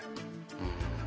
うん。